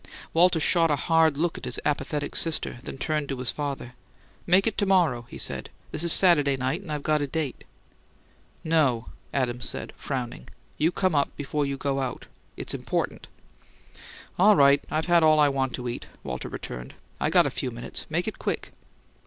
Walter shot a hard look at his apathetic sister, then turned to his father. "Make it to morrow," he said. "This is Satad'y night and I got a date." "No," Adams said, frowning. "You come up before you go out. It's important." "All right; I've had all I want to eat," Walter returned. "I got a few minutes. Make it quick."